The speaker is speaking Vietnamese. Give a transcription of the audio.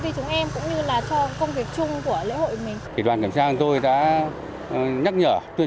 ty chúng em cũng như là cho công việc chung của lễ hội mình đoàn kiểm tra tôi đã nhắc nhở tuyên